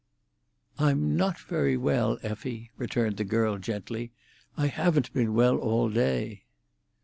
"I'm not very well, Effie," returned the girl gently. "I haven't been well all day."